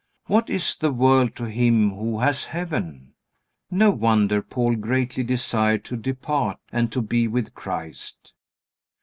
What is the world to him who has heaven? No wonder Paul greatly desired to depart and to be with Christ.